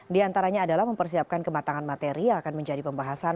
di antaranya adalah mempersiapkan kematangan materi yang akan menjadi pembahasan